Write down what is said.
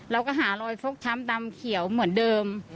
เราก็หารอยฟกช้ำดำเขียวเหมือนเดิม